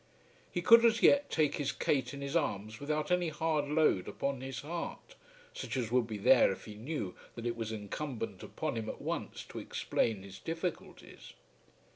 He could as yet take his Kate in his arms without any hard load upon his heart, such as would be there if he knew that it was incumbent upon him at once to explain his difficulties.